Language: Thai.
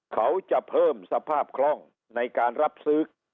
เขาจะเพิ่มสภาพคล่องในการรับซื้อ